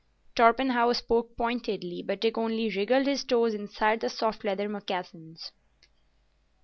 Torpenhow spoke pointedly, but Dick only wriggled his toes inside the soft leather moccasins.